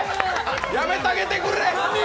やめたげてくれ！